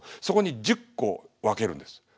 そこに１０個分けるんです。